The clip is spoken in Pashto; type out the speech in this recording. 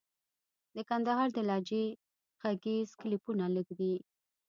د کندهار د لهجې ږغيز کليپونه لږ دي.